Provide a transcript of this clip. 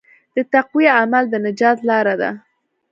د تقوی عمل د نجات لاره ده.